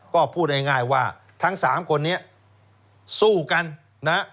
ก็พูดง่ายว่าทั้งสามคนนี้สู้กันนะ